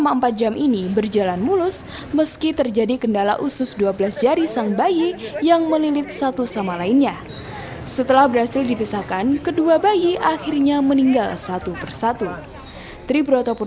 kami telah melakukan perawatan operasi